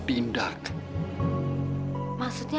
tidak berlalu bebas